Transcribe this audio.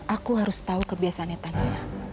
aku harus tahu kebiasaannya tania